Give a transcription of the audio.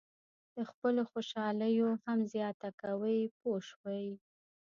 د خپلو خوشالیو هم زیاته کوئ پوه شوې!.